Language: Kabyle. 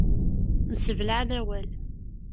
Mseblaɛen awal.